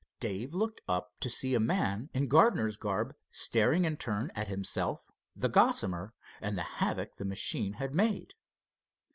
Dave looked up to see a man in gardener's garb staring in turn at himself, the Gossamer, and the havoc the machine had made.